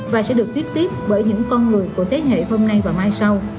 và sẽ được tiếp bởi những con người của thế hệ hôm nay và mai sau